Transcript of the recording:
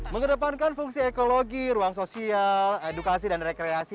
mengedepankan fungsi ekologi ruang sosial edukasi dan rekreasi